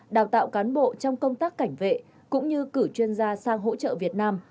đào tạo cán bộ trong công tác cảnh vệ cũng như cử chuyên gia sang hỗ trợ việt nam